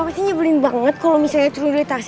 tuh kenapa sih nyebelin banget kalo misalnya turun dari taksi